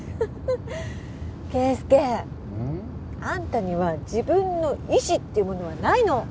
あんたには自分の意思っていうものはないの？